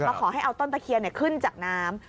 ขอให้เอาต้นตะเคียนขึ้นจากน้ำ